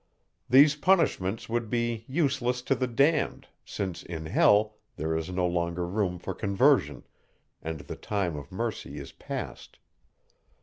These punishments would be useless to the damned, since in hell there is no longer room for conversion, and the time of mercy is past.